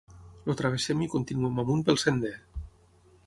El travessem i continuem amunt pel sender.